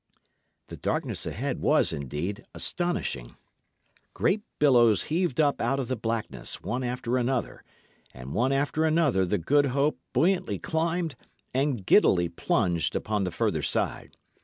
The darkness ahead was, indeed, astonishing. Great billows heaved up out of the blackness, one after another; and one after another the Good Hope buoyantly climbed, and giddily plunged upon the further side.